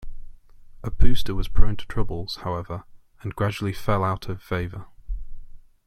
A booster was prone to troubles, however, and gradually fell out of favor.